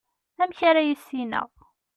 amek ara yissineɣ